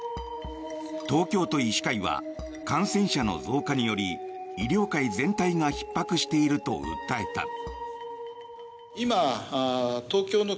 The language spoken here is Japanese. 東京都医師会は感染者の増加により医療界全体がひっ迫していると訴えた。